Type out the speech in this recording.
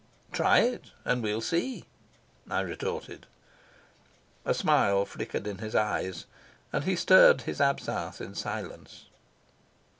"Try it, and we'll see," I retorted. A smile flickered in his eyes, and he stirred his absinthe in silence.